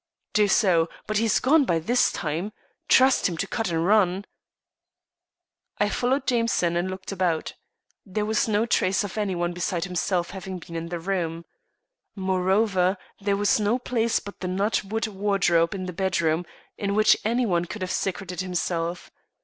"Do so. But he's gone by this time. Trust him to cut and run." I followed Jameson, and looked about. There was no trace of anyone beside himself having been in the room. Moreover, there was no place but the nut wood wardrobe in the bedroom in which anyone could have secreted himself.